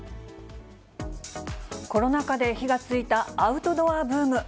コロナ禍で火がついたアウトドアブーム。